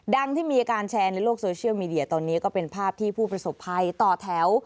ที่มีอาการแชร์ในโลกโซเชียลมีเดียตอนนี้ก็เป็นภาพที่ผู้ประสบภัยต่อแถว